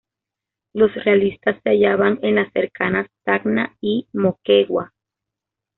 Los realistas se hallaban en las cercanas Tacna y Moquegua.